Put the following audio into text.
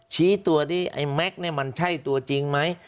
ชี้ตัวที่ไอ้แม็กซ์เนี่ยมันใช่ตัวจริงไหม